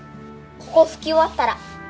ここ拭き終わったら。